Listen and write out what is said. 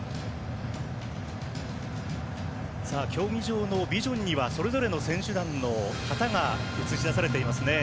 競技場のビジョンにはそれぞれの選手団の旗が映し出されていますね。